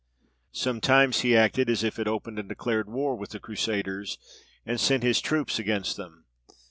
Sometimes he acted as if at open and declared war with the Crusaders, and sent his troops against them.